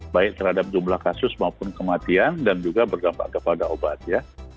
baik terhadap jumlah kasus maupun kematian dan juga berdampak kepada obat ya